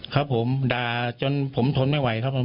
ครับผมด่าจนผมทนไม่ไหวครับผม